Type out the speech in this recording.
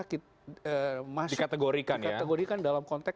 dikategorikan dalam konteks